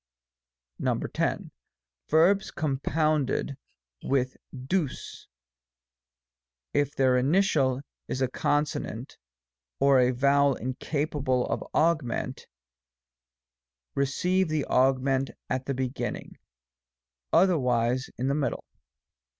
X. Verbs compounded with 8vg^ if their initial is a consonant, or a vowel incapable of augment, receive the augment at the beginning, otherwise in the mid dle.